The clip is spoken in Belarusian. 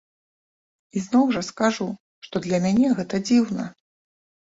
І зноў жа скажу, што для мяне гэта дзіўна.